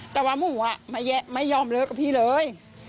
แต่ว่าหมูไม่ยอมเลิกกับพี่เลย